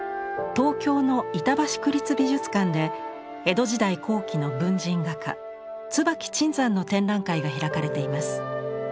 東京の板橋区立美術館で江戸時代後期の文人画家椿椿山の展覧会が開かれています。